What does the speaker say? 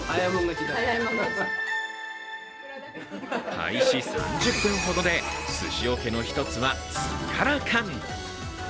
開始３０分ほどで、すしおけの一つはすっからかん。